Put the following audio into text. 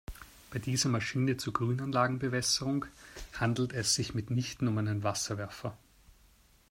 Bei dieser Maschine zur Grünanlagenbewässerung handelt es sich mitnichten um einen Wasserwerfer.